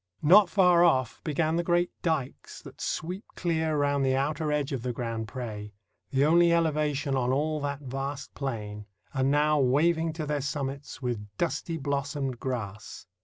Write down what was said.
Not far off began the great dikes that sweep clear round the outer edge of the Grand Pre, the only elevation on all that vast plain, and now waving to their summits with "dusty blossomed grass."